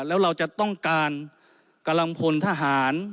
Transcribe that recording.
แล้วเราจะต้องการกำลังพลทหาร